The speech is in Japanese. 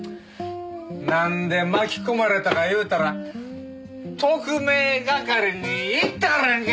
なんで巻き込まれたか言うたら特命係に行ったからやんけ！